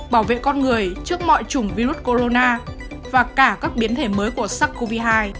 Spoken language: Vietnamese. bảo vệ con người trước mọi chủng virus corona và cả các biến thể mới của sars cov hai